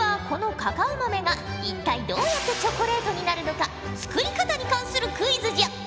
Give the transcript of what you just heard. このカカオ豆が一体どうやってチョコレートになるのか作り方に関するクイズじゃ。